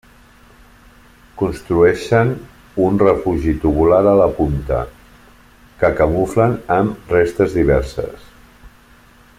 Construeixen un refugi tubular a la punta, que camuflen amb restes diverses.